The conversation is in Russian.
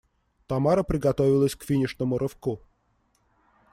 Тамара приготовилась к финишному рывку.